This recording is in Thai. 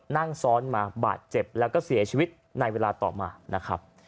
นั่งซ้อนมาบาดเจ็บแล้วก็เสียชีวิตในเวลาต่อมานะครับ